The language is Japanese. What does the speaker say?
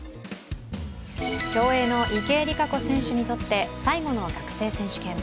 競泳の池江璃花子選手にとって最後の学生選手権。